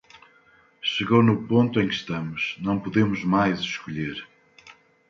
Chegou no ponto em que estamos, não podemos mais escolher.